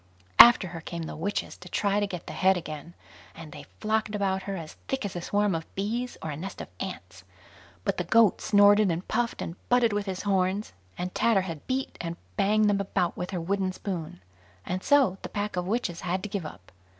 After her came the witches to try to get the head again, and they flocked about her as thick as a swarm of bees or a nest of ants; but the goat snorted, and puffed, and butted with his horns, and Tatterhood beat and banged them about with her wooden spoon; and so the pack of witches had to give it up.